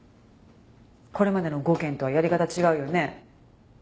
これまでの５件とはやり方違うよね？